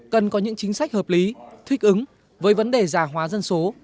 cần có những chính sách hợp lý thích ứng với vấn đề giả hóa dân số